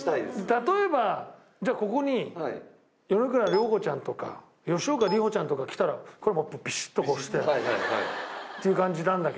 例えばじゃあここに米倉涼子ちゃんとか吉岡里帆ちゃんとか来たらビシッとこうしてっていう感じなんだけども。